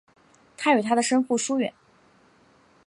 他与他的生父疏远。